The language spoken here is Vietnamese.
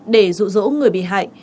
để rụ rỗ người bị hại